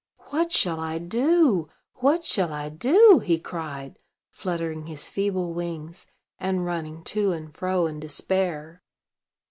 "What shall I do? what shall I do?" he cried, fluttering his feeble wings, and running to and fro in despair.